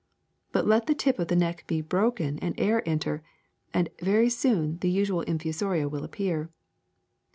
But let the tip of the neck be broken and air enter, and very soon the usual infusoria will appear.